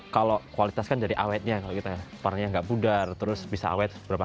kalau kualitas kan dari awetnya kalau kita warnanya nggak budar terus bisa awet berapa